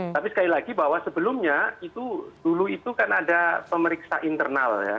tapi sekali lagi bahwa sebelumnya itu dulu itu kan ada pemeriksa internal ya